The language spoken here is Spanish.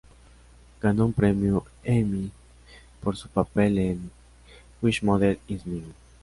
Ganó un Premio Emmy por su papel en "Which Mother Is Mine?